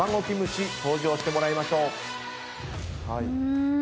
登場してもらいましょう。